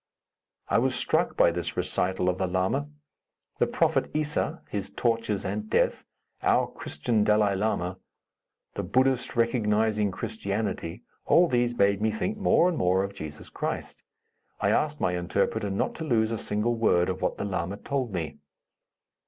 I was struck by this recital of the lama. The prophet Issa his tortures and death our Christian Dalai Lama the Buddhist recognizing Christianity all these made me think more and more of Jesus Christ. I asked my interpreter not to lose a single word of what the lama told me.